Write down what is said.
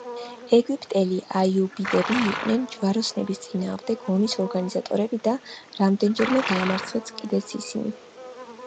ეგვიპტელი აიუბიდები იყვნენ ჯვაროსნების წინააღმდეგ ომის ორგანიზატორები და რამდენიმეჯერ დაამარცხეს კიდეც ისინი.